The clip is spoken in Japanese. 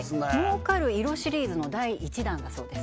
儲かる色シリーズの第１弾だそうです